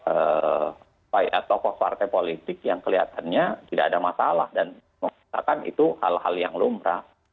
apa ya tokoh partai politik yang kelihatannya tidak ada masalah dan mengatakan itu hal hal yang lumrah